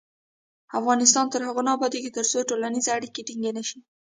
افغانستان تر هغو نه ابادیږي، ترڅو ټولنیزې اړیکې ټینګې نشي.